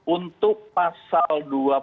untuk pasal dua puluh satu